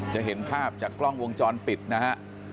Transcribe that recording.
จะเห็นภาพจากกล้องวงจรปิดนะฮะ